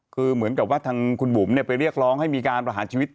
คือเหมือนกับว่าทางคุณบุ๋มไปเรียกร้องให้มีการประหารชีวิต